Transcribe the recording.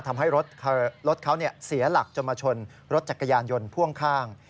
ทำให้รถเขาเสียหลักจนมาชนรถจักรยานยนต์พ่วงข้าง